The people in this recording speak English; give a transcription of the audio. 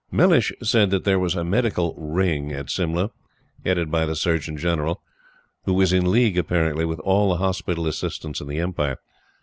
Mellish said that there was a Medical "Ring" at Simla, headed by the Surgeon General, who was in league, apparently, with all the Hospital Assistants in the Empire.